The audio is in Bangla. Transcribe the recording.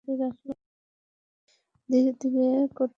ধীরে ধীরে করতে হবে।